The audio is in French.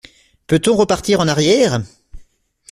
Peut-on repartir en arrière?